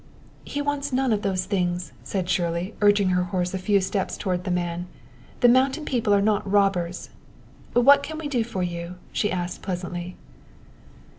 "He wants none of those things," said Shirley, urging her horse a few steps toward the man. "The mountain people are not robbers. What can we do for you?" she asked pleasantly.